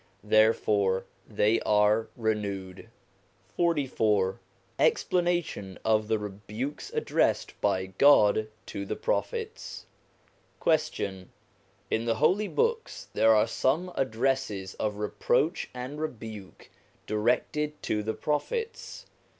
Therefore they are renewed. XLIV EXPLANATION OF THE REBUKES ADDRESSED BY GOD TO THE PROPHETS Question. In the Holy Books there are some addresses of reproach and rebuke directed to the Prophets.